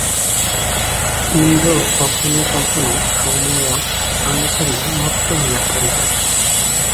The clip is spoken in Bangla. ইন্দ্র কখনও কখনও সোমরস পান করিয়া মত্ত হইয়া পড়িতেন।